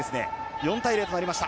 ４対０となりました。